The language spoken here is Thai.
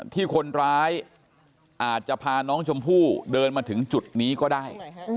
ที่คนร้ายอาจจะพาน้องชมพู่เดินมาถึงจุดนี้ก็ได้